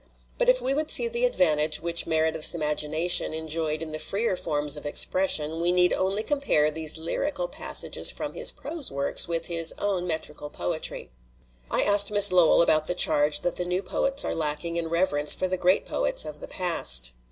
But if we would see the advantage which Meredith's imagination enjoyed in the freer forms of expression, we need only compare these lyrical passages from his prose works with his own metrical poetry." I asked Miss Lowell about the charge that the new poets are lacking in reverence for the great poets of the past.